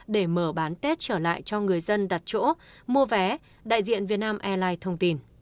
để mở bán tết trở lại cho người dân đặt chỗ mua vé đại diện việt nam airline thông tin